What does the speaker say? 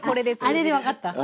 あれで分かった。